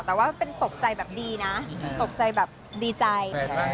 แต่ว่าเป็นตกใจแบบดีนะตกใจแบบดีใจ